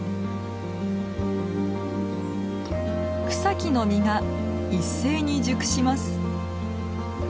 草木の実が一斉に熟します。